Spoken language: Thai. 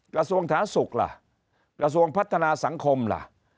กระทรวงสาธารณสุขล่ะกระทรวงพัฒนาสังคมล่ะ